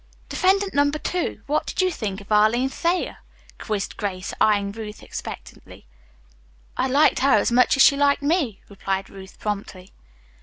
"Defendant number two, what did you think of Arline Thayer?" quizzed Grace, eyeing Ruth expectantly. "I liked her as much as she liked me," replied Ruth promptly.